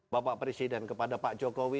bapak presiden kepada pak jokowi